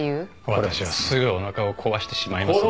私はすぐおなかを壊してしまいますので。